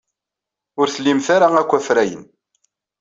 Ur tlimt ara akk afrayen.